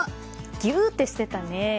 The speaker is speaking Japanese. ぎゅーってしてたね。